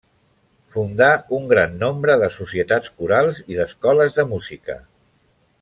Fundà un gran nombre de societats corals i d'escoles de música.